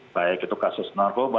baik itu kasus narobat